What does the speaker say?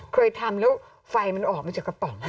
เคยทำแล้วไฟมันออกมาจากกระป๋อง